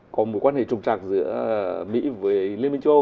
có một quan hệ trùng trạng giữa mỹ với liên minh châu âu